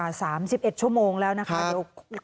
กว่า๓๑ชั่วโมงแล้วนะครับ